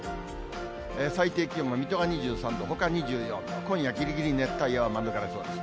最低気温が水戸が２３度、ほか２４、今夜ぎりぎり熱帯夜は免れそうです。